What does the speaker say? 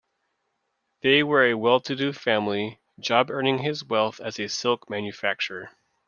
They were a well-to-do family, Job earning his wealth as a silk manufacturer.